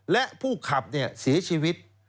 และผู้ขับเสียชีวิต